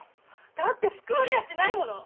だって救われやしないもの！